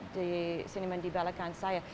di cinema di belakang saya